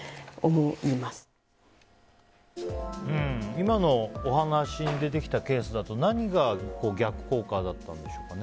今のお話に出てきたケースだと何が逆効果だったんでしょうかね。